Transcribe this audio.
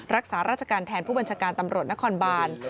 รักษาราชการแทนผู้บัญชาการตำรวจนครบาน